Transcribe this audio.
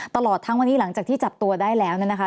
ตลอดทั้งวันนี้หลังจากที่จับตัวได้แล้วเนี่ยนะคะ